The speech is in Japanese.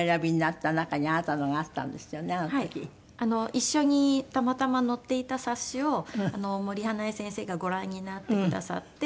一緒にたまたま載っていた冊子を森英恵先生がご覧になってくださって。